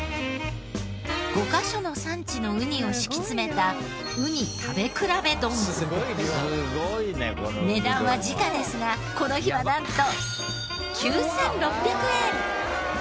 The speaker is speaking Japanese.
５カ所の産地のウニを敷き詰めた値段は時価ですがこの日はなんと。